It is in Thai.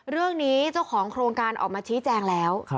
เรื่องนี้เจ้าของโครงการออกมาชี้แจงแล้ว